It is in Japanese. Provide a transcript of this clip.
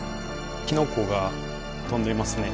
火の粉が飛んでいますね。